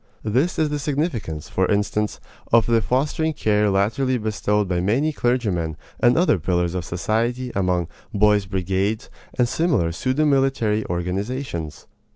This is the significance, for instance, of the fostering care latterly bestowed by many clergymen and other pillars of society upon "boys' brigades" and similar pseudo military organizations.